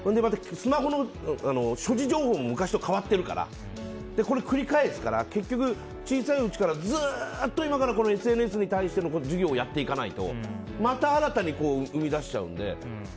またスマホの所持状況もいろいろと違っているから繰り返すから結局小さいうちからずっとＳＮＳに対しての授業をやっていかないとまた新たに生み出しちゃうので。